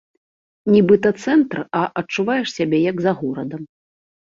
Нібыта цэнтр, а адчуваеш сябе як за горадам.